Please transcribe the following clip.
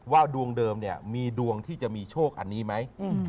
ดวงเดิมเนี่ยมีดวงที่จะมีโชคอันนี้ไหม